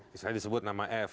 misalnya disebut nama f